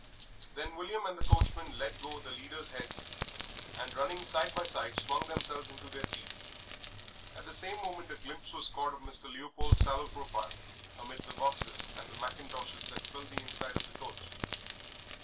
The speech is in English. Then William and the coachman let go the leaders' heads, and running side by side swung themselves into their seats. At the same moment a glimpse was caught of Mr. Leopold's sallow profile amid the boxes and the mackintoshes that filled the inside of the coach.